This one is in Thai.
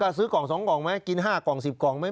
อ่ะซื้อกล่องสองกล่องไหมกินห้ากล่องสิบกล่องไหม